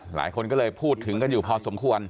หลายคนก็เลยพูดถึงกันอยู่พอสมควร